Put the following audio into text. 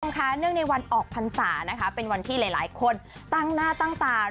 ค่ะเนื่องในวันออกพรรษานะคะเป็นวันที่หลายคนตั้งหน้าตั้งตา